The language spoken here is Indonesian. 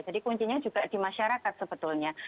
jadi kuncinya juga di masyarakat sebetulnya